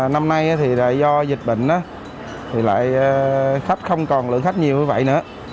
năm nay thì do dịch bệnh thì lại khách không còn lượng khách nhiều như vậy nữa